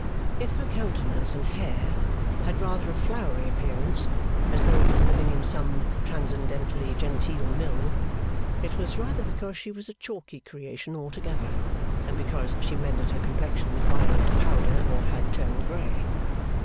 If her countenance and hair had rather a floury appearance, as though from living in some transcendently genteel Mill, it was rather because she was a chalky creation altogether, than because she mended her complexion with violet powder, or had turned grey.